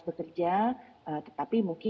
bekerja tetapi mungkin